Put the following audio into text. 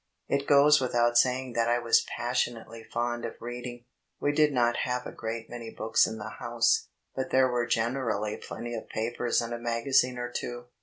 It goes without saying that I was passionately fond of reading. We did not have a great many books in the house, but there were generally plenty of papers and a magazine or two.